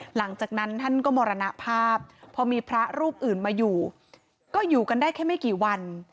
หลังจากนั้นท่านก็มรณภาพพอมีพระรูปอื่นมาอยู่ก็อยู่กันได้แค่ไม่กี่วัน